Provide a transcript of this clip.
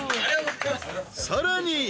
［さらに］